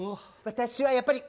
私はやっぱりパリ！